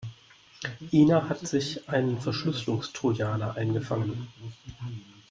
Ina hat sich einen Verschlüsselungstrojaner eingefangen.